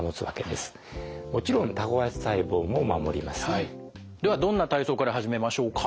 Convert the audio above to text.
ではどんな体操から始めましょうか？